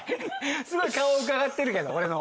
すごい顔をうかがってるけど俺の。